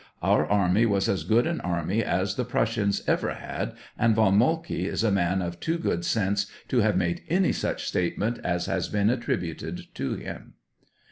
Our army was as good an army as the Prussians ever had, and Von Moltke is a man of too good, sense to have made any such statement as has been attribu ted to him.